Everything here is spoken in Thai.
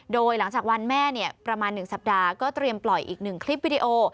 โดยหลังจากวันแม่ประมาณ๑สัปดาห์ก็เตรียมปล่อยอีก๑คลิปวิดีโอ